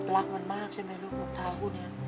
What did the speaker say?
รักมันมากใช่ไหมลูกรองเท้าคู่นี้